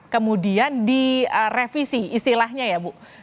kemudian direvisi istilahnya ya bu